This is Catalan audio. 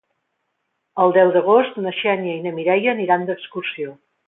El deu d'agost na Xènia i na Mireia aniran d'excursió.